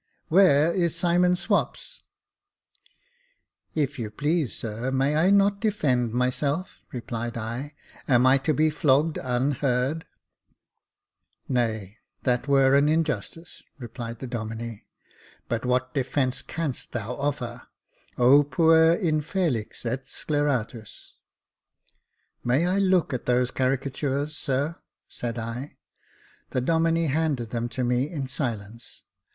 Where is Simon Swapps ?" "If you please, sir, may I not defend myself.?" replied I. " Am I to be flogged unheard ?" "Nay, that were an injustice," replied the Domine; but what defence canst thou offer ? puer infelix et sceleratus I " "May I look at those caricatures, sir .''" said I. The Domine handed them to me in silence.